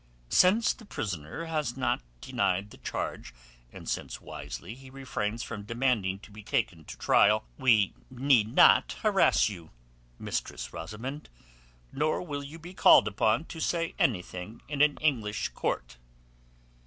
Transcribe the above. "Since the prisoner has not denied the charge, and since wisely he refrains from demanding to be taken to trial, we need not harass you, Mistress Rosamund. Nor will you be called upon to say anything in an English court."